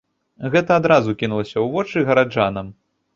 Гэта адразу кінулася ў вочы гараджанам.